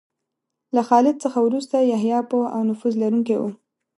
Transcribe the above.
له خالد څخه وروسته یحیی پوه او نفوذ لرونکی و.